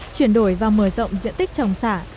chuyển đổi và mở rộng diện tích trồng xả